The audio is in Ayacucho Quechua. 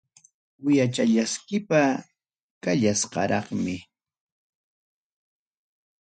Uyachallaykipas kallasqaraqmi.